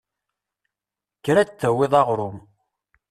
Kker ad d-tawiḍ aɣrum.